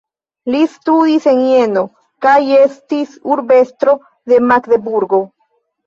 Li studis en Jeno kaj estis urbestro de Magdeburgo.